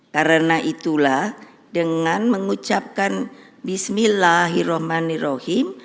karena itulah dengan mengucapkan bismillahirrahmanirrahim